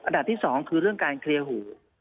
อันดับที่สองคือเรื่องการเคลียร์หู